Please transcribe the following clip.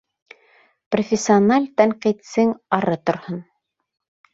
Профессиональ тәнҡитсең ары торһон!